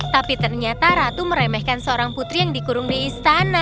tapi ternyata ratu meremehkan seorang putri yang dikurung di istana